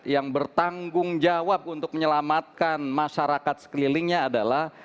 yang bertanggung jawab untuk menyelamatkan masyarakat sekelilingnya adalah